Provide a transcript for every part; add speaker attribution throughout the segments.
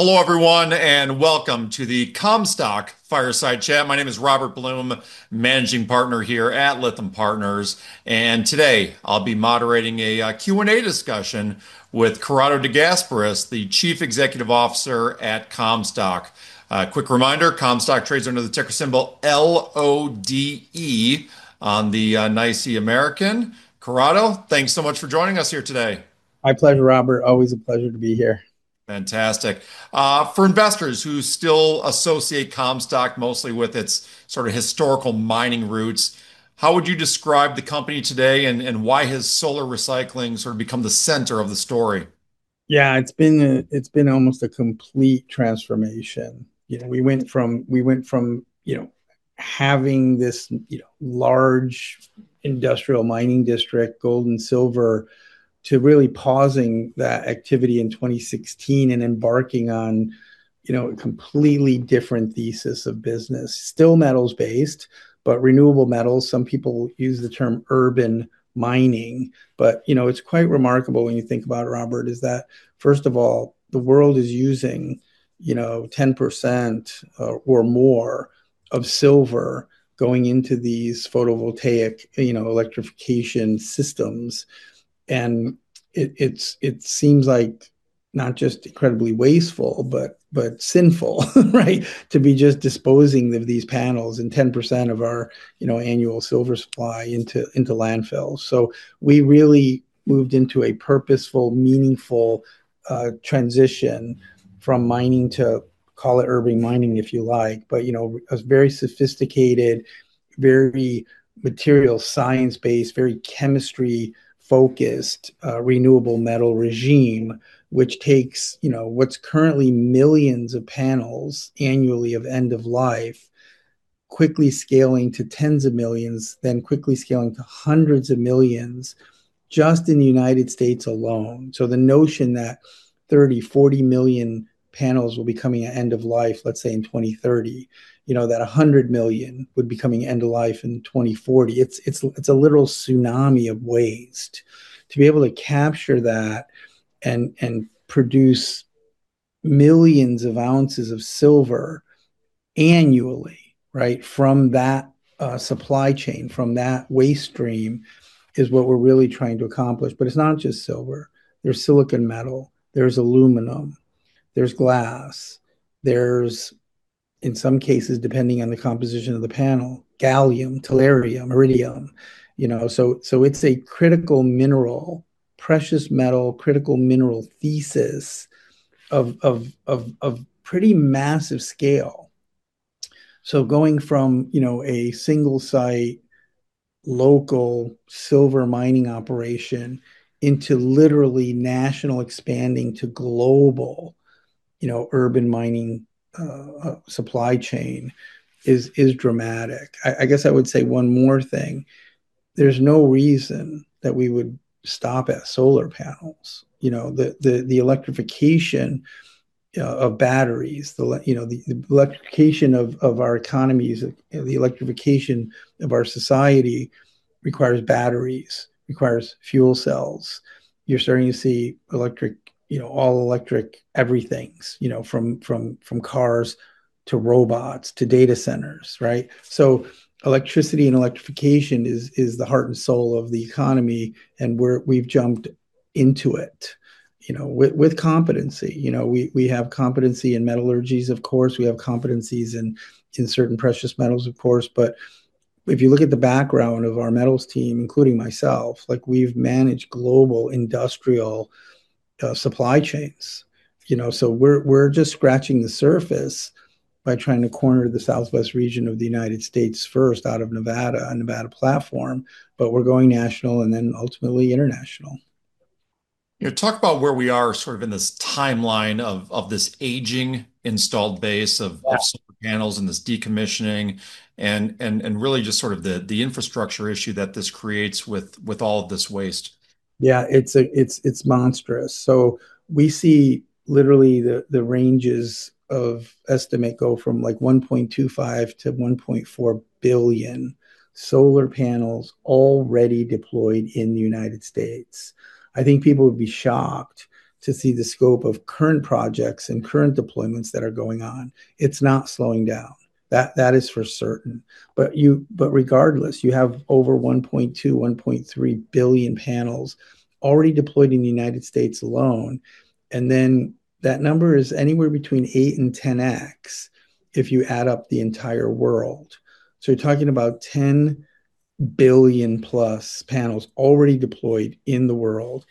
Speaker 1: Hello everyone, and welcome to the Comstock Fireside Chat. My name is Robert Blum, Managing Partner here at Lytham Partners, and today I'll be moderating a Q&A discussion with Corrado De Gasperis, the Chief Executive Officer at Comstock. Quick reminder, Comstock trades under the ticker symbol LODE on the NYSE American. Corrado, thanks so much for joining us here today.
Speaker 2: My pleasure, Robert. Always a pleasure to be here.
Speaker 1: Fantastic. For investors who still associate Comstock mostly with its sort of historical mining roots, how would you describe the company today and why has solar recycling sort of become the center of the story?
Speaker 2: Yeah, it's been almost a complete transformation. You know, we went from you know, having this, you know, large industrial mining district, gold and silver, to really pausing that activity in 2016 and embarking on, you know, a completely different thesis of business. Still metals-based, but renewable metals. Some people use the term urban mining. But, you know, it's quite remarkable when you think about it, Robert, is that first of all, the world is using, you know, 10% or more of silver going into these photovoltaic, you know, electrification systems. It seems like not just incredibly wasteful but sinful right? To be just disposing of these panels and 10% of our, you know, annual silver supply into landfills. We really moved into a purposeful, meaningful, transition from mining to call it urban mining, if you like. You know, a very sophisticated, very materials science-based, very chemistry-focused, renewable metal regime, which takes, you know, what's currently millions of panels annually of end of life, quickly scaling to tens of millions, then quickly scaling to hundreds of millions, just in the United States alone. The notion that 30 million, 40 million panels will be coming at end of life, let's say in 2030, you know, that 100 million would be coming end of life in 2040, it's a literal tsunami of waste. To be able to capture that and produce millions of ounces of silver annually, right, from that supply chain, from that waste stream, is what we're really trying to accomplish. It's not just silver. There's silicon metal, there's aluminum, there's glass, there's, in some cases depending on the composition of the panel, gallium, tellurium, indium. You know, so it's a critical mineral, precious metal, critical mineral thesis of pretty massive scale. Going from, you know, a single site, local silver mining operation into literally national expanding to global, you know, urban mining supply chain is dramatic. I guess I would say one more thing. There's no reason that we would stop at solar panels. You know, the electrification of batteries, you know, the electrification of our economies and the electrification of our society requires batteries, requires fuel cells. You're starting to see electric, you know, all electric everything, you know, from cars to robots to data centers, right? Electricity and electrification is the heart and soul of the economy, and we've jumped into it, you know, with competency. You know, we have competency in metallurgies of course, we have competencies in certain precious metals of course. But if you look at the background of our metals team, including myself, like we've managed global industrial supply chains. You know, we're just scratching the surface by trying to corner the southwest region of the United States first out of Nevada on Nevada platform. We're going national and then ultimately international.
Speaker 1: You know, talk about where we are sort of in this timeline of this aging installed base of-
Speaker 2: Yeah
Speaker 1: solar panels and this decommissioning and really just sort of the infrastructure issue that this creates with all of this waste.
Speaker 2: Yeah. It's monstrous. We see literally the ranges of estimate go from like 1.25 billion-1.4 billion solar panels already deployed in the United States. I think people would be shocked to see the scope of current projects and current deployments that are going on. It's not slowing down. That is for certain. Regardless, you have over 1.2 billion-1.3 billion panels already deployed in the United States alone, and then that number is anywhere between 8-10x if you add up the entire world. You're talking about 10 billion-plus panels already deployed in the world,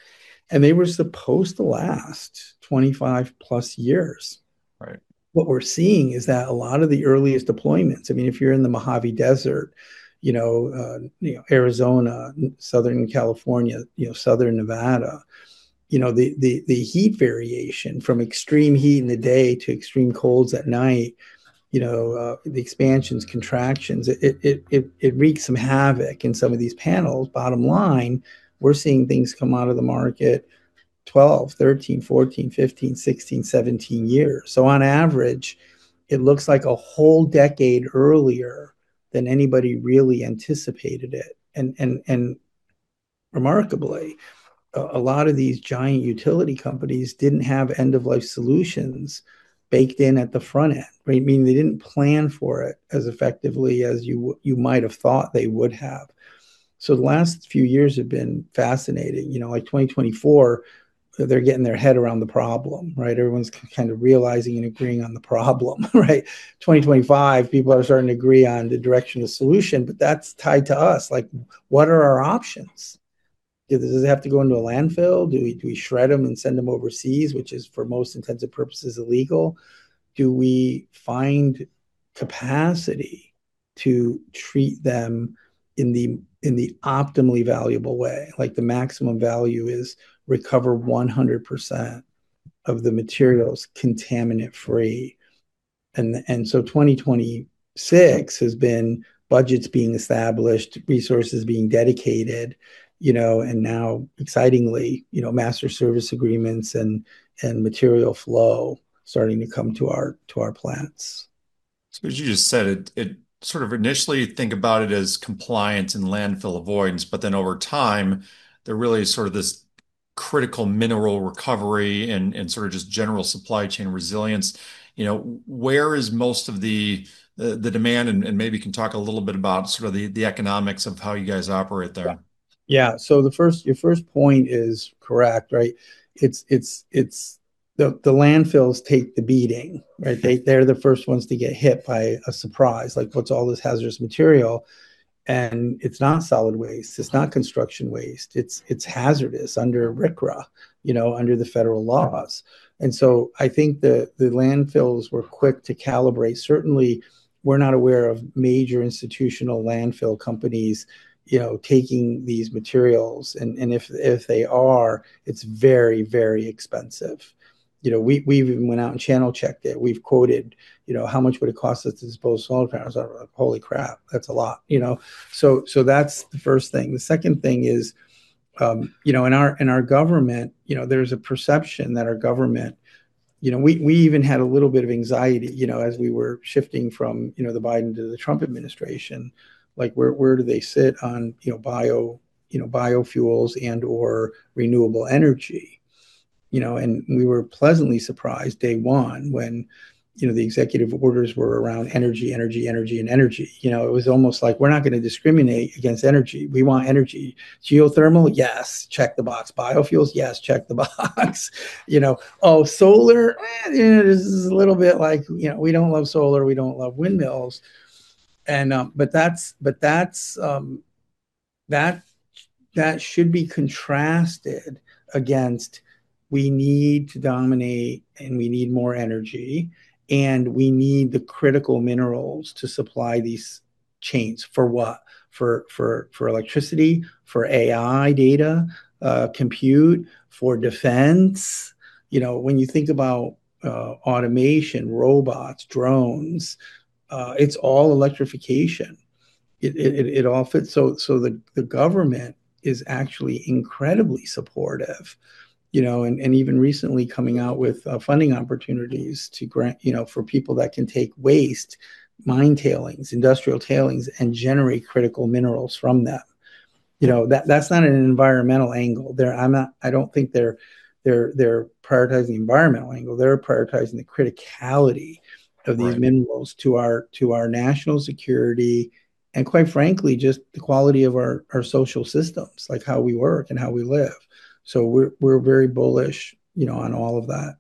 Speaker 2: and they were supposed to last 25+ years.
Speaker 1: Right.
Speaker 2: What we're seeing is that a lot of the earliest deployments, I mean, if you're in the Mojave Desert, you know, Arizona, southern California, you know, southern Nevada, you know, the heat variation from extreme heat in the day to extreme cold at night, you know, the expansions, contractions, it wreaks some havoc in some of these panels. Bottom line, we're seeing things come out of the market 12, 13, 14, 15, 16, 17 years. On average, it looks like a whole decade earlier than anybody really anticipated it. Remarkably, a lot of these giant utility companies didn't have end-of-life solutions baked in at the front end, right? Meaning they didn't plan for it as effectively as you might have thought they would have. The last few years have been fascinating. You know, like, 2024, they're getting their head around the problem, right? Everyone's kind of realizing and agreeing on the problem, right? 2025, people are starting to agree on the direction of the solution, but that's tied to us. Like, what are our options? Do they? Does it have to go into a landfill? Do we shred them and send them overseas, which is, for most intents and purposes, illegal? Do we find capacity to treat them in the optimally valuable way? Like, the maximum value is recover 100% of the materials contaminant-free. 2026 has been budgets being established, resources being dedicated, you know, and now excitingly, you know, master service agreements and material flow starting to come to our plants.
Speaker 1: As you just said, it sort of initially think about it as compliance and landfill avoidance, but then over time, there really is sort of this critical mineral recovery and sort of just general supply chain resilience. You know, where is most of the demand? Maybe you can talk a little bit about sort of the economics of how you guys operate there.
Speaker 2: Yeah. Your first point is correct, right? The landfills take the beating, right? They're the first ones to get hit by a surprise. Like, what's all this hazardous material? It's not solid waste, it's not construction waste. It's hazardous under RCRA, you know, under the federal laws. I think the landfills were quick to calibrate. Certainly, we're not aware of major institutional landfill companies, you know, taking these materials. If they are, it's very expensive. You know, we even went out and channel checked it. We've quoted, you know, "How much would it cost us to dispose of solar panels?" "Holy crap, that's a lot." You know? That's the first thing. The second thing is, you know, in our government, you know, there's a perception that our government You know, we even had a little bit of anxiety, you know, as we were shifting from, you know, the Biden to the Trump administration. Like, where do they sit on, you know, biofuels and/or renewable energy? You know, we were pleasantly surprised day one when, you know, the executive orders were around energy. You know, it was almost like we're not going to discriminate against energy. We want energy. Geothermal? Yes. Check the box. Biofuels? Yes. Check the box. You know. Oh, solar? You know, this is a little bit like, you know, we don't love solar, we don't love windmills. But that's, that should be contrasted against we need to dominate, and we need more energy, and we need the critical minerals to supply these chains. For what? For electricity, for AI data, compute, for defense. You know, when you think about, automation, robots, drones, it's all electrification. It all fits. The government is actually incredibly supportive. You know, and even recently coming out with, funding opportunities, you know, for people that can take waste, mine tailings, industrial tailings, and generate critical minerals from that. You know, that's not an environmental angle. I don't think they're prioritizing the environmental angle. They're prioritizing the criticality of these minerals to our national security and, quite frankly, just the quality of our social systems, like how we work and how we live. So we're very bullish, you know, on all of that.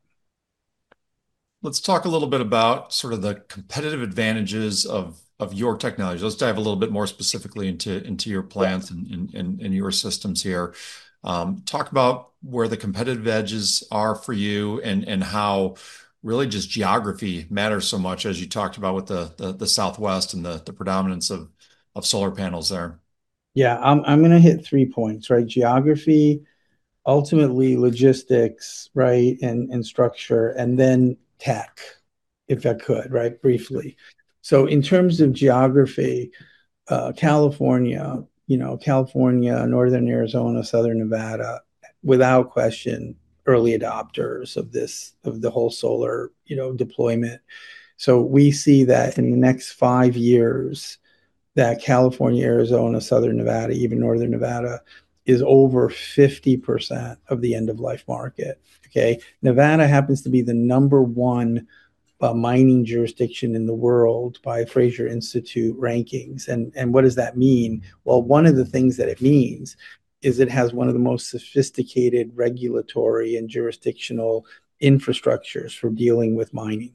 Speaker 1: Let's talk a little bit about sort of the competitive advantages of your technology. Let's dive a little bit more specifically into your plants and your systems here. Talk about where the competitive edges are for you and how really just geography matters so much, as you talked about with the Southwest and the predominance of solar panels there.
Speaker 2: Yeah. I'm going to hit three points, right? Geography, ultimately logistics, right, and structure, and then tech, if I could, right? Briefly. In terms of geography, California, you know, California, Northern Arizona, Southern Nevada, without question, early adopters of this, of the whole solar, you know, deployment. We see that in the next five years, that California, Arizona, Southern Nevada, even Northern Nevada, is over 50% of the end-of-life market, okay? Nevada happens to be the number one mining jurisdiction in the world by Fraser Institute rankings. What does that mean? Well, one of the things that it means is it has one of the most sophisticated regulatory and jurisdictional infrastructures for dealing with mining.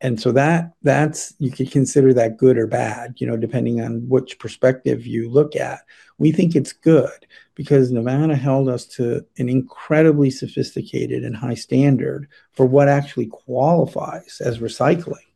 Speaker 2: That. You could consider that good or bad, you know, depending on which perspective you look at. We think it's good because Nevada held us to an incredibly sophisticated and high standard for what actually qualifies as recycling,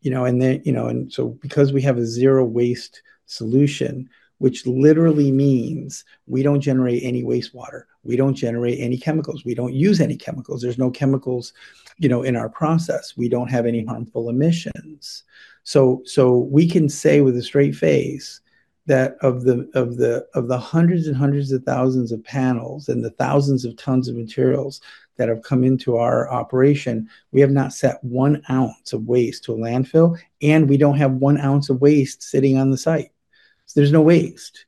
Speaker 2: you know, because we have a zero waste solution, which literally means we don't generate any wastewater, we don't generate any chemicals, we don't use any chemicals, there's no chemicals, you know, in our process. We don't have any harmful emissions. We can say with a straight face that of the hundreds and hundreds of thousands of panels and the thousands of tons of materials that have come into our operation, we have not sent one ounce of waste to a landfill, and we don't have one ounce of waste sitting on the site. There's no waste.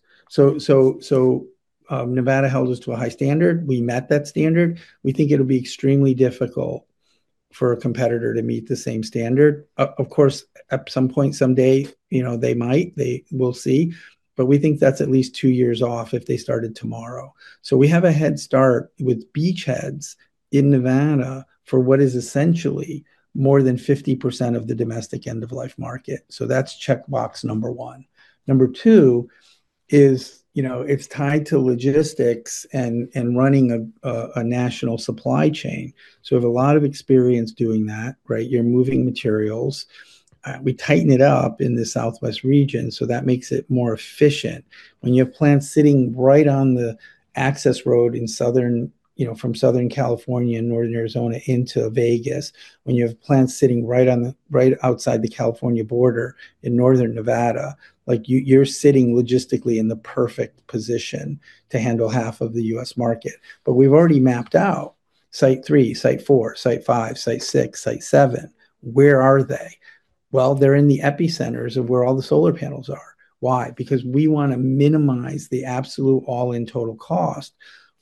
Speaker 2: Nevada held us to a high standard. We met that standard. We think it'll be extremely difficult for a competitor to meet the same standard. Of course, at some point someday, you know, they might. We'll see. We think that's at least two years off if they started tomorrow. We have a head start with beachheads in Nevada for what is essentially more than 50% of the domestic end-of-life market. That's checkbox number one. Number two is, you know, it's tied to logistics and running a national supply chain. We have a lot of experience doing that, right? You're moving materials. We tighten it up in the Southwest region, so that makes it more efficient. When you have plants sitting right on the access road in Southern, you know, from Southern California and Northern Arizona into Vegas, when you have plants sitting right on the, right outside the California border in northern Nevada, like you're sitting logistically in the perfect position to handle half of the U.S. market. But we've already mapped out site three, site four, site five, site six, site seven. Where are they? Well, they're in the epicenters of where all the solar panels are. Why? Because we want to minimize the absolute all-in total cost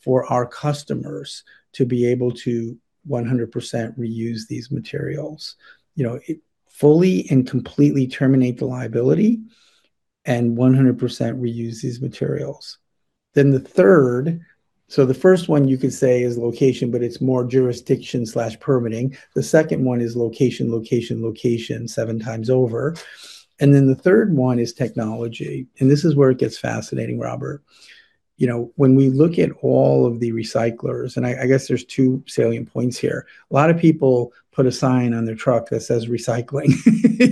Speaker 2: for our customers to be able to 100% reuse these materials. You know, fully and completely terminate the liability and 100% reuse these materials. The third, so the first one you could say is location, but it's more jurisdiction/permitting. The second one is location, location, seven times over. The third one is technology, and this is where it gets fascinating, Robert. You know, when we look at all of the recyclers, and I guess there's two salient points here. A lot of people put a sign on their truck that says "Recycling,"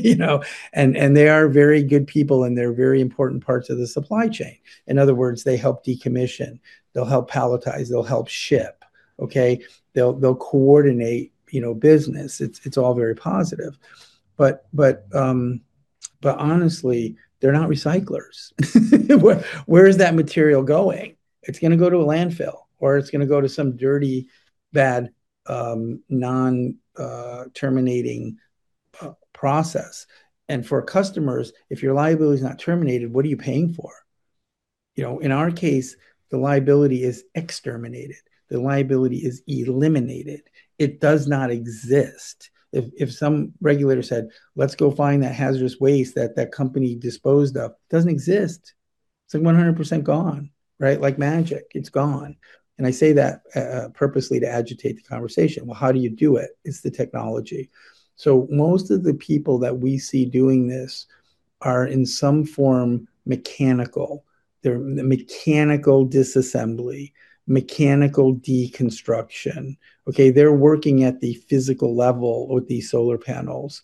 Speaker 2: you know. They are very good people, and they're very important parts of the supply chain. In other words, they help decommission, they'll help palletize, they'll help ship, okay? They'll coordinate, you know, business. It's all very positive. Honestly, they're not recyclers. Where is that material going? It's going to go to a landfill, or it's going to go to some dirty, bad, non-terminating process. For customers, if your liability is not terminated, what are you paying for? You know, in our case, the liability is terminated. The liability is eliminated. It does not exist. If some regulator said, "Let's go find that hazardous waste that company disposed of," it doesn't exist. It's like 100% gone, right? Like magic, it's gone. I say that purposely to agitate the conversation. Well, how do you do it? It's the technology. Most of the people that we see doing this are in some form mechanical. They're mechanical disassembly, mechanical deconstruction, okay? They're working at the physical level with these solar panels,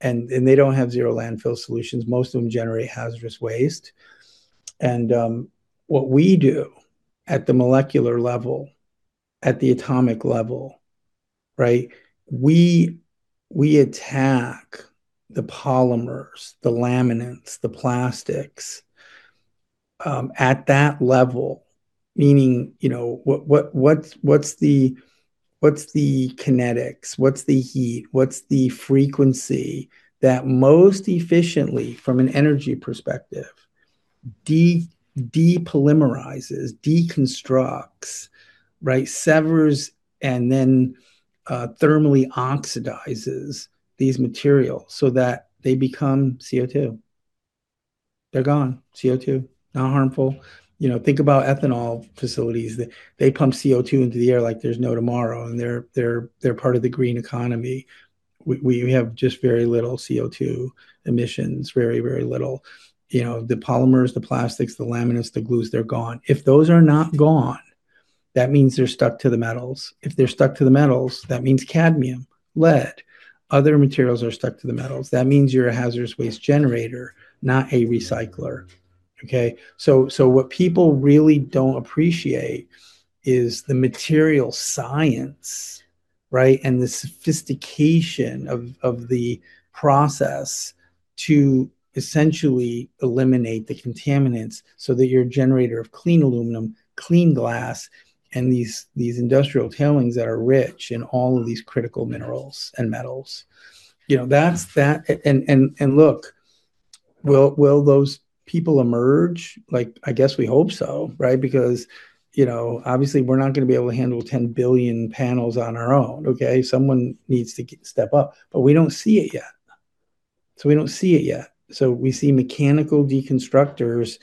Speaker 2: and they don't have zero landfill solutions. Most of them generate hazardous waste. What we do at the molecular level, at the atomic level, right, we attack the polymers, the laminates, the plastics, at that level, meaning, you know, what's the kinetics? What's the heat? What's the frequency that most efficiently, from an energy perspective, depolymerizes, deconstructs, right, severs, and then thermally oxidizes these materials so that they become CO2. They're gone, CO2, not harmful. You know, think about ethanol facilities. They pump CO2 into the air like there's no tomorrow, and they're part of the green economy. We have just very little CO2 emissions, very, very little. You know, the polymers, the plastics, the laminates, the glues, they're gone. If those are not gone, that means they're stuck to the metals. If they're stuck to the metals, that means cadmium, lead, other materials are stuck to the metals. That means you're a hazardous waste generator, not a recycler, okay? What people really don't appreciate is the material science, right, and the sophistication of the process to essentially eliminate the contaminants so that you're a generator of clean aluminum, clean glass, and these industrial tailings that are rich in all of these critical minerals and metals. You know, that's that. Look, will those people emerge? Like, I guess we hope so, right? Because, you know, obviously we're not going to be able to handle 10 billion panels on our own, okay? Someone needs to step up, but we don't see it yet. We don't see it yet. We see mechanical deconstructors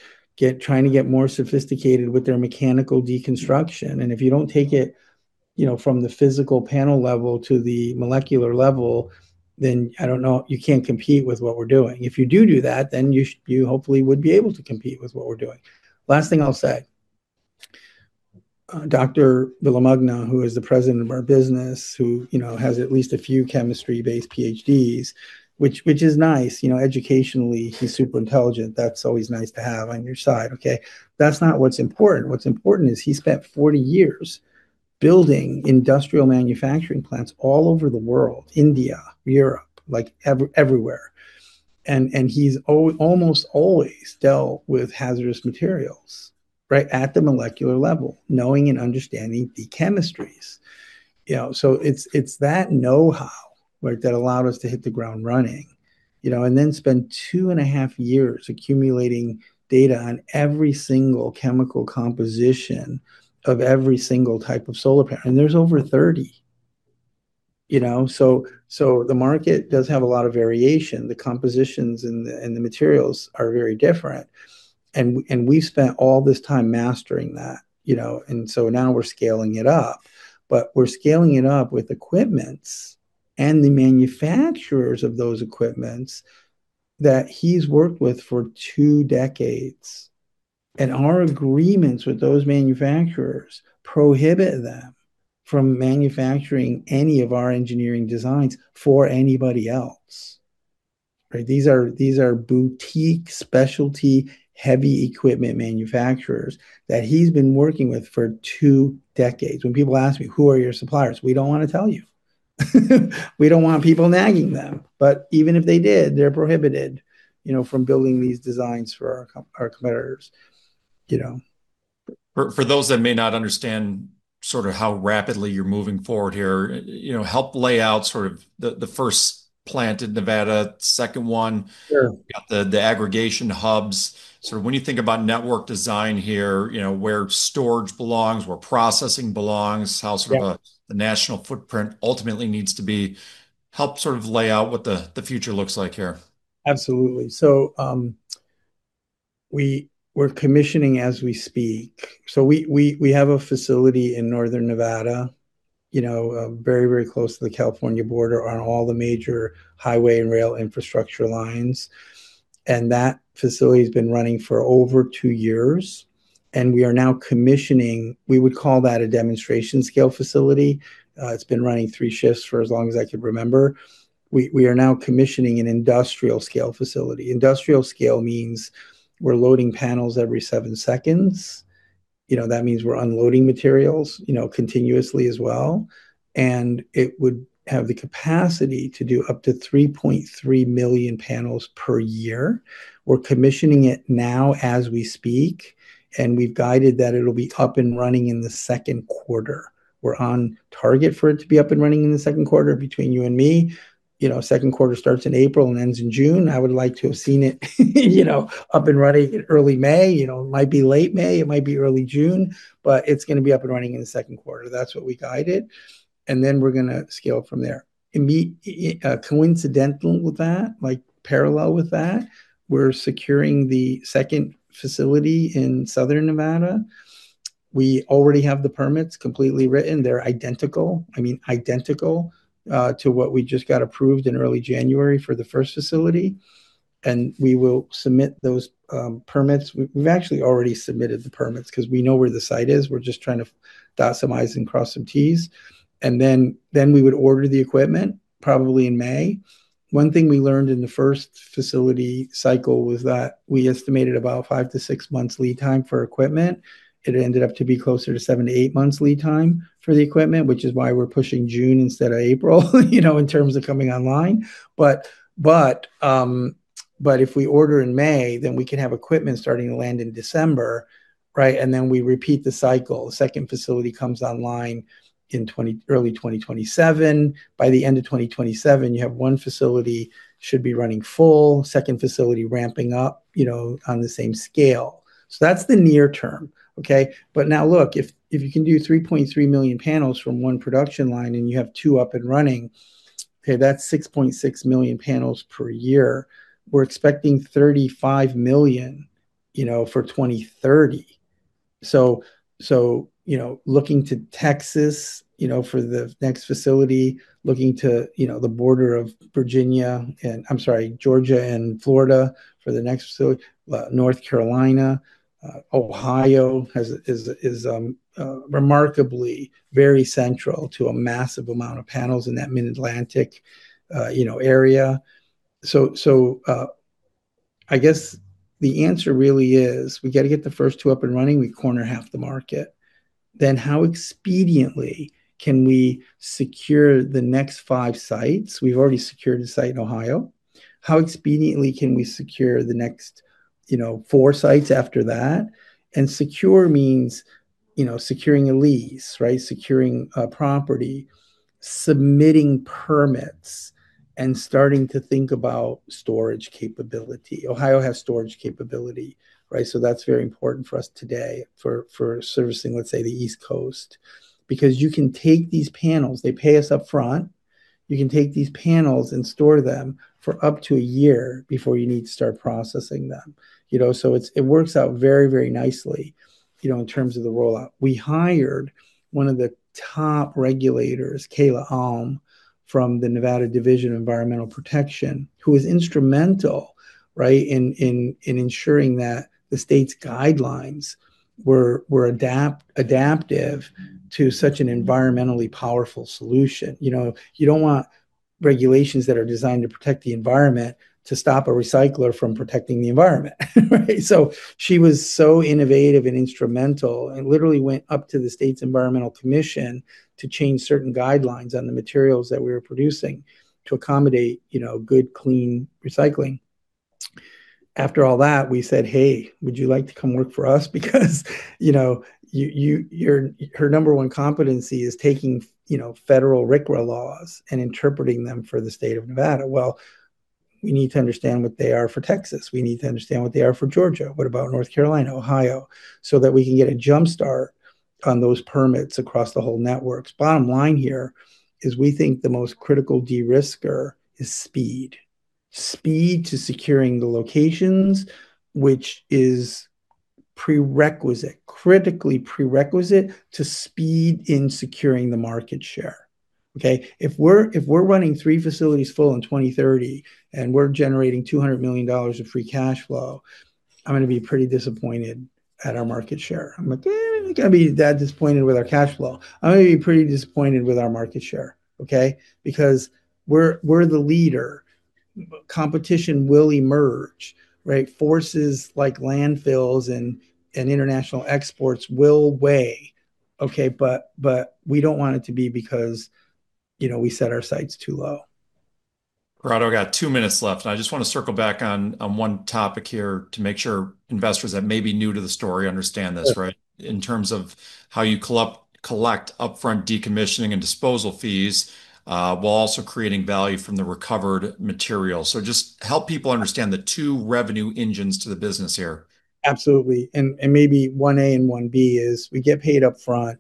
Speaker 2: trying to get more sophisticated with their mechanical deconstruction. If you don't take it, you know, from the physical panel level to the molecular level, then I don't know, you can't compete with what we're doing. If you do that, then you hopefully would be able to compete with what we're doing. Last thing I'll say, Dr. Villamagna, who is the president of our business, who you know has at least a few chemistry-based PhDs, which is nice. You know, educationally, he's super intelligent. That's always nice to have on your side, okay? That's not what's important. What's important is he spent 40 years building industrial manufacturing plants all over the world, India, Europe, like everywhere. He's almost always dealt with hazardous materials, right, at the molecular level, knowing and understanding the chemistries. You know, so it's that know-how, right, that allowed us to hit the ground running, you know, and then spend two and a half years accumulating data on every single chemical composition of every single type of solar panel, and there's over 30, you know. The market does have a lot of variation. The compositions and the materials are very different. We spent all this time mastering that, you know, so now we're scaling it up. We're scaling it up with equipments and the manufacturers of those equipments that he's worked with for two decades. Our agreements with those manufacturers prohibit them from manufacturing any of our engineering designs for anybody else. Right? These are boutique, specialty, heavy equipment manufacturers that he's been working with for two decades. When people ask me, "Who are your suppliers?" We don't want to tell you. We don't want people nagging them. Even if they did, they're prohibited, you know, from building these designs for our competitors, you know.
Speaker 1: For those that may not understand sort of how rapidly you're moving forward here, you know, help lay out sort of the first plant in Nevada, second one.
Speaker 2: Sure
Speaker 1: you got the aggregation hubs. Sort of when you think about network design here, you know, where storage belongs, where processing belongs, how sort of
Speaker 2: Yeah
Speaker 1: the national footprint ultimately needs to be. Help sort of lay out what the future looks like here.
Speaker 2: Absolutely. We're commissioning as we speak. We have a facility in northern Nevada, you know, very close to the California border on all the major highway and rail infrastructure lines, and that facility's been running for over two years, and we are now commissioning. We would call that a demonstration scale facility. It's been running three shifts for as long as I can remember. We are now commissioning an industrial scale facility. Industrial scale means we're loading panels every seven seconds. You know, that means we're unloading materials, you know, continuously as well, and it would have the capacity to do up to 3.3 million panels per year. We're commissioning it now as we speak, and we've guided that it'll be up and running in the second quarter. We're on target for it to be up and running in the second quarter between you and me. You know, second quarter starts in April and ends in June. I would like to have seen it, you know, up and running in early May. You know, it might be late May, it might be early June, but it's going to be up and running in the second quarter. That's what we guided, and then we're going to scale from there. Coincidental with that, like parallel with that, we're securing the second facility in southern Nevada. We already have the permits completely written. They're identical, I mean, identical, to what we just got approved in early January for the first facility, and we will submit those permits. We've actually already submitted the permits because we know where the site is. We're just trying to dot some I's and cross some T's, and then we would order the equipment probably in May. One thing we learned in the first facility cycle was that we estimated about five to six months lead time for equipment. It ended up to be closer to seven to eight months lead time for the equipment, which is why we're pushing June instead of April, you know, in terms of coming online. But if we order in May, then we can have equipment starting to land in December, right? Then we repeat the cycle. Second facility comes online in early 2027. By the end of 2027, you have one facility should be running full, second facility ramping up, you know, on the same scale. That's the near term, okay? Now look, if you can do 3.3 million panels from one production line and you have two up and running, okay, that's 6.6 million panels per year. We're expecting 35 million, you know, for 2030. You know, looking to Texas for the next facility, looking to the border of Virginia, and I'm sorry, Georgia and Florida for the next facility, North Carolina. Ohio is remarkably very central to a massive amount of panels in that Mid-Atlantic area. You know, I guess the answer really is we got to get the first two up and running, we corner half the market. Then how expediently can we secure the next five sites? We've already secured a site in Ohio. How expediently can we secure the next, you know, four sites after that? Secure means, you know, securing a lease, right? Securing a property, submitting permits, and starting to think about storage capability. Ohio has storage capability, right? That's very important for us today for servicing, let's say, the East Coast. Because you can take these panels, they pay us upfront, you can take these panels and store them for up to a year before you need to start processing them. You know? It works out very, very nicely, you know, in terms of the rollout. We hired one of the top regulators, Kayla Holm, from the Nevada Division of Environmental Protection, who was instrumental, right, in ensuring that the state's guidelines were adaptive to such an environmentally powerful solution. You know, you don't want regulations that are designed to protect the environment to stop a recycler from protecting the environment, right? She was so innovative and instrumental, and literally went up to the state's environmental commission to change certain guidelines on the materials that we were producing to accommodate, you know, good, clean recycling. After all that, we said, "Hey, would you like to come work for us?" Because you know, her number one competency is taking, you know, federal RCRA laws and interpreting them for the state of Nevada. Well, we need to understand what they are for Texas, we need to understand what they are for Georgia. What about North Carolina, Ohio? That we can get a jump start on those permits across the whole networks. Bottom line here is we think the most critical de-risker is speed. Speed to securing the locations, which is prerequisite, critically prerequisite to speed in securing the market share. Okay? If we're running three facilities full in 2030, and we're generating $200 million of free cash flow, I'm going to be pretty disappointed at our market share. I'm like, "Eh, I'm not going to be that disappointed with our cash flow. I'm going to be pretty disappointed with our market share." Okay? Because we're the leader. Competition will emerge, right? Forces like landfills and international exports will weigh. Okay? We don't want it to be because, you know, we set our sights too low.
Speaker 1: Corrado, got two minutes left, and I just want to circle back on one topic here to make sure investors that may be new to the story understand this, right?
Speaker 2: Sure.
Speaker 1: In terms of how you collect upfront decommissioning and disposal fees, while also creating value from the recovered material. Just help people understand the two revenue engines to the business here.
Speaker 2: Absolutely. Maybe one A and one B is we get paid up front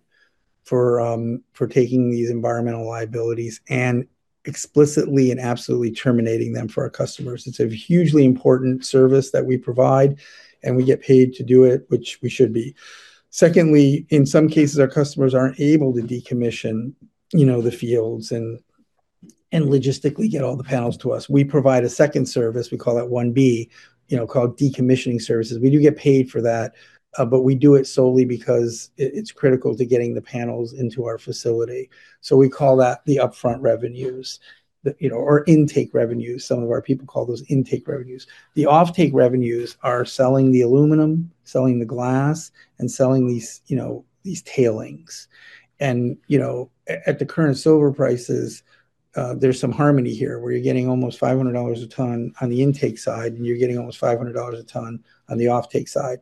Speaker 2: for for taking these environmental liabilities and explicitly and absolutely terminating them for our customers. It's a hugely important service that we provide, and we get paid to do it, which we should be. Secondly, in some cases, our customers aren't able to decommission, you know, the fields and logistically get all the panels to us. We provide a second service, we call that one B, you know, called decommissioning services. We do get paid for that, but we do it solely because it's critical to getting the panels into our facility. We call that the upfront revenues. The, you know, or intake revenues, some of our people call those intake revenues. The offtake revenues are selling the aluminum, selling the glass, and selling these, you know, tailings. You know, at the current silver prices, there's some harmony here, where you're getting almost $500 a ton on the intake side, and you're getting almost $500 a ton on the offtake side.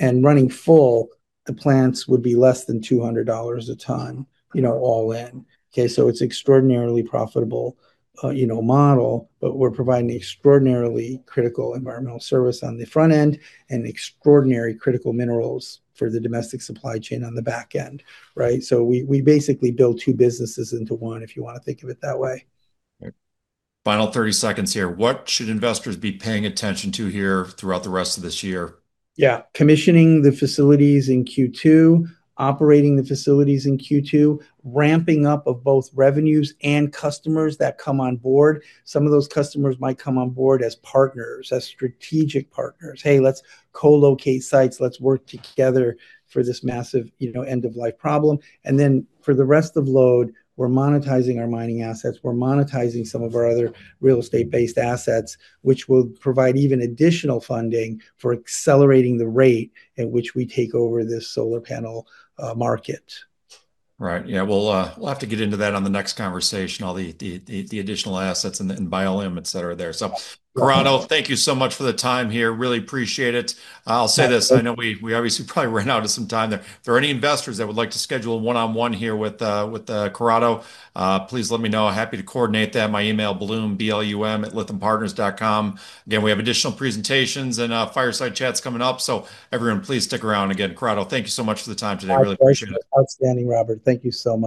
Speaker 2: Running full, the plants would be less than $200 a ton, you know, all in. Okay. It's extraordinarily profitable, you know, model, but we're providing extraordinarily critical environmental service on the front end, and extraordinary critical minerals for the domestic supply chain on the back end, right? We basically build two businesses into one, if you want to think of it that way.
Speaker 1: Right. Final 30 seconds here. What should investors be paying attention to here throughout the rest of this year?
Speaker 2: Yeah. Commissioning the facilities in Q2, operating the facilities in Q2, ramping up of both revenues and customers that come on board. Some of those customers might come on board as partners, as strategic partners. "Hey, let's co-locate sites, let's work together for this massive, you know, end of life problem." For the rest of LODE, we're monetizing our mining assets, we're monetizing some of our other real estate-based assets, which will provide even additional funding for accelerating the rate at which we take over this solar panel market.
Speaker 1: Right. Yeah. We'll have to get into that on the next conversation, all the additional assets and the Bioleum that are there.
Speaker 2: Sure.
Speaker 1: Corrado, thank you so much for the time here. I really appreciate it.
Speaker 2: Yes, sir.
Speaker 1: I'll say this, I know we obviously probably ran out of some time there. If there are any investors that would like to schedule a one-on-one here with Corrado, please let me know. Happy to coordinate that. My email blum, B-L-U-M@lythampartners.com. Again, we have additional presentations and fireside chats coming up, so everyone please stick around. Again, Corrado, thank you so much for the time today. Really appreciate it.
Speaker 2: My pleasure. Outstanding, Robert. Thank you so much.